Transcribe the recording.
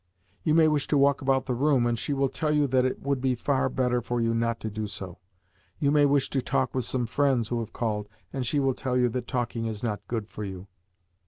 You may wish to walk about the room and she will tell you that it would be far better for you not to do so. You may wish to talk with some friends who have called and she will tell you that talking is not good for you.